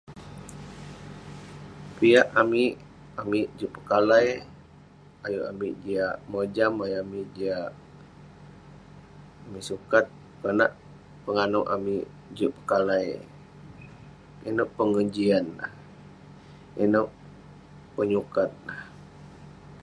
Piak amik, amik juk pekalai. Ayuk amik jiak mojam, ayuk amik jiak sukat. Konak penganouk amik juk pekalai. Ineh pengejian neh, inouk penyukat neh.